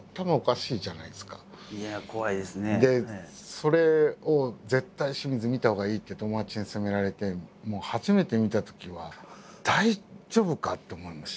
それを「絶対清水見たほうがいい」って友達に薦められて初めて見たときは大丈夫か？と思いましたね。